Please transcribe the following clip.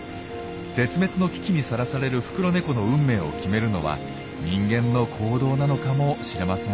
絶滅の危機にさらされるフクロネコの運命を決めるのは人間の行動なのかもしれません。